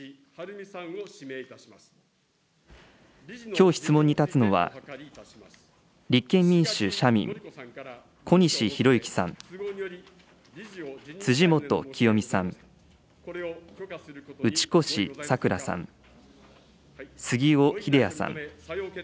きょう質問に立つのは、立憲民主・社民、小西洋之さん、辻元清美さん、打越さく良さん、杉尾秀哉さん。